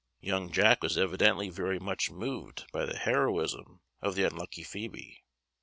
Young Jack was evidently very much moved by the heroism of the unlucky Phoebe.